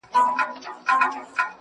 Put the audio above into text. زما د سترگو له جوړښته قدم اخله~